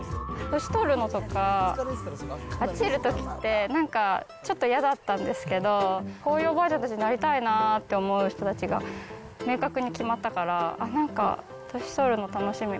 年取るのとか、あっちいるときって、なんかちょっと嫌だったんですけど、こういうおばあちゃんたちになりたいなって思う人たちが明確に決まったから、ああ、なんか年取るの楽しみ。